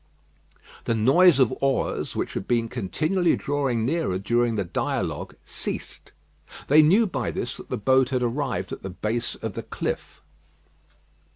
The noise of oars, which had been continually drawing nearer during the dialogue, ceased. They knew by this that the boat had arrived at the base of the cliff.